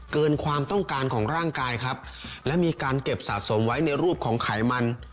เกินความต้องการของร่างกายครับและมีการเก็บสะสมไว้ในรูปของไขมัน